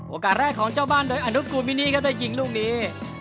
โอกาสแรกของเจ้าบ้านโดยอนุกูลมินีก็ได้ยิงลูกนี้